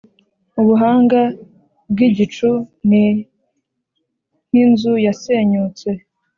Ubuhanga bw’igicucu ni nk’inzu yasenyutse,